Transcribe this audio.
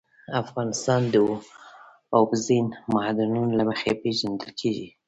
افغانستان د اوبزین معدنونه له مخې پېژندل کېږي.